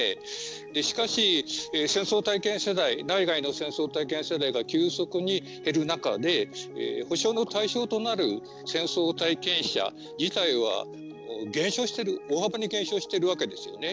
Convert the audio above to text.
しかし、戦争体験世代内外の戦争体験世代が急速に減る中で補償の対象となる戦争体験者自体は減少している大幅に減少しているわけですよね。